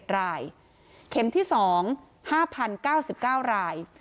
๖๖๑๑รายเข็มที่สอง๕๐๙๙ราย